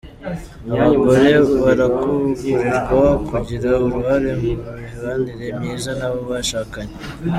Abagore barakangurirwa kugira uruhare mu mibanire myiza n’abo bashakanye